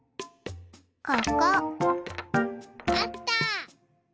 ここ。あった。